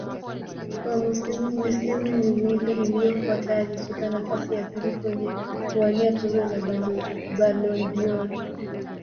Kwa misimu miwili iliyofuata alishika nafasi ya pili kwenye kuwania tuzo za Ballon dâOr